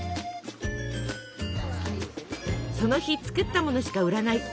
その日作ったものしか売らない。